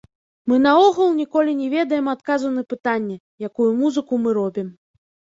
Мы наогул ніколі не ведаем адказу на пытанне, якую музыку мы робім.